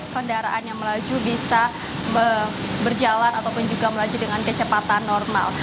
kendaraan yang melaju bisa berjalan ataupun juga melaju dengan kecepatan normal